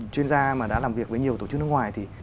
chuyên gia mà đã làm việc với nhiều tổ chức nước ngoài thì